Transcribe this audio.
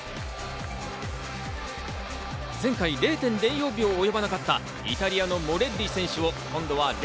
前回０．０４秒及ばなかったイタリアのモレッリ選手を今度は０．